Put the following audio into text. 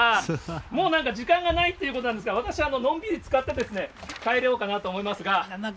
もうなんか時間がないということなんですが、私、のんびりつかって帰ろうかなと思いますが。